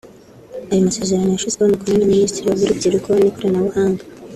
Aya masezerano yashyizweho umukono na Minisitiri w’Urubyiruko n’Ikoranabuhanga